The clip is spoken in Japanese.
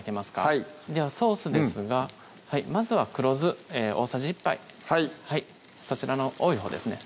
はいではソースですがまずは黒酢大さじ１杯はいそちらの多いほうですね